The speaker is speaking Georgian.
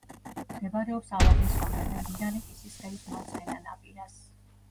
მდებარეობს ალაზნის ვაკეზე, მდინარე კისისხევის მარცხენა ნაპირას.